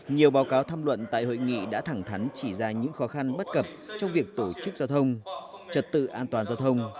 nhiều báo cáo tham luận tại hội nghị đã thẳng thắn chỉ ra những khó khăn bất cập trong việc tổ chức giao thông trật tự an toàn giao thông